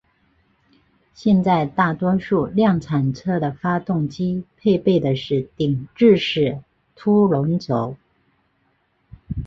现在大多数量产车的发动机配备的是顶置式凸轮轴。